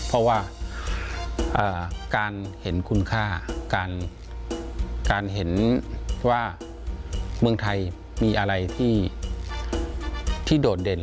เพราะว่าการเห็นคุณค่าการเห็นว่าเมืองไทยมีอะไรที่โดดเด่น